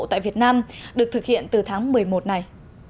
tại việt nam được thực hiện từ tháng một mươi một này